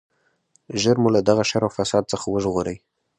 ژر مو له دغه شر او فساد څخه وژغورئ.